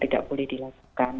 tidak boleh dilakukan